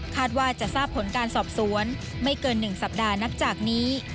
ว่าจะทราบผลการสอบสวนไม่เกิน๑สัปดาห์นับจากนี้